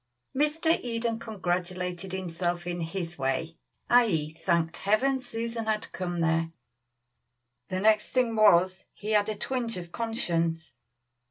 Mr. Eden congratulated himself in his way, i.e., thanked Heaven Susan had come there; the next thing was, he had a twinge of conscience.